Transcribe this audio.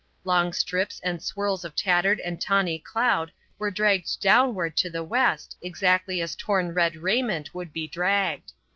Long strips and swirls of tattered and tawny cloud were dragged downward to the west exactly as torn red raiment would be dragged.